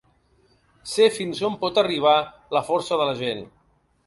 Sé fins on pot arribar la força de la gent.